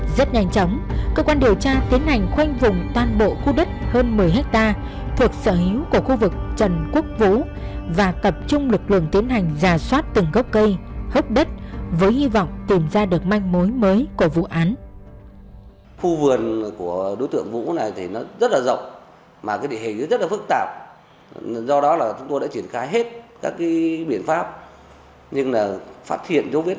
rất nhanh chóng cơ quan điều tra tiến hành khoanh vùng toàn bộ khu đất hơn một mươi hectare thuộc sở hữu của khu vực trần quốc vũ và cập trung lực lượng tiến hành rà soát từng gốc cây hấp đất với hy vọng tìm ra được manh mối mới của vụ án